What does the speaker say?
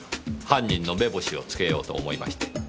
犯人の目星をつけようと思いまして。